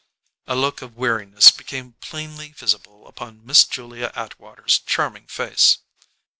A look of weariness became plainly visible upon Miss Julia Atwater's charming face.